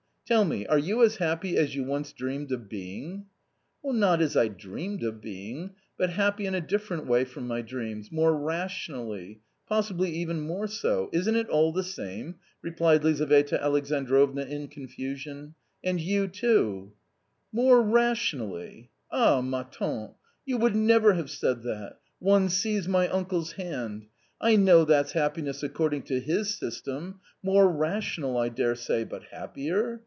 Tell me, are you as happy as you once dreamed of being?" "Not as I dreamed of being, but happy in a different way from my dreams, more rationally, possibly even more so — isn't it all the same ?" replied Lizaveta Alexandrovna in confusion :" and you too "" More rationally ! Ah, ma (ante, you would never have said that : one see's my uncle's hand ! I know that's happi ness according to his system : more rational, I daresay, but happier